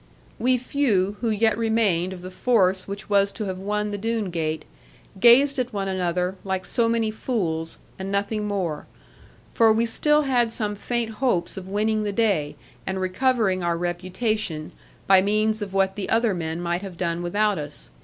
We few, who yet remained of the force which was to have won the Doone gate, gazed at one another, like so many fools, and nothing more. For we still had some faint hopes of winning the day, and recovering our reputation, by means of what the other men might have done without us.